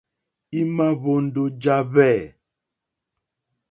Í má ǃhwóndó ǃjá hwɛ̂.